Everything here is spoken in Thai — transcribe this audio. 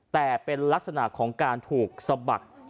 แต่เป็นลักษณะของการถูกสะบัด